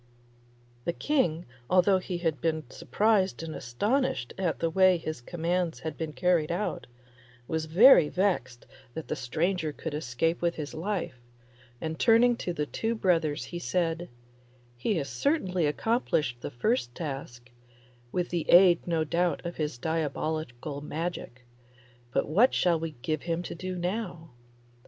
The King, although he had been surprised and astonished at the way his commands had been carried out, was very vexed that the stranger should escape with his life, and turning to the two brothers he said, 'He has certainly accomplished the first task, with the aid no doubt of his diabolical magic; but what shall we give him to do now?